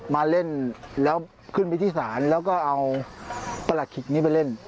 มาเล่นแล้วขึ้นไปที่ศาลแล้วก็เอาประหลัดขิกนี้ไปเล่น